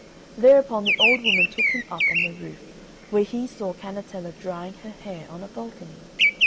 Thereupon the old woman took him up on the roof, where he saw Cannetella drying her hair on a balcony.